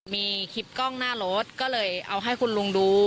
มีคลิปกล้องหน้ารถก็เลยเอาให้คุณลุงดู